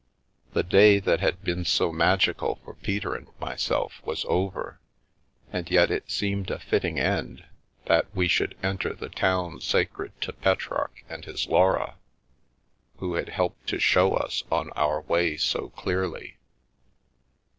The day that had been so magical for Peter and myself was over, and yet it seemed a fitting end that we should enter 315 The Milky Way the town sacred to Petrarch and his Laura, who had helped to show us on our way so clearly.